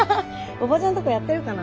おばちゃんとこやってるかな。